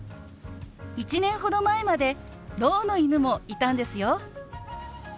１年ほど前までろうの犬もいたんですよ。